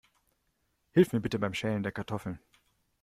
Hilf mir bitte beim Schälen der Kartoffeln.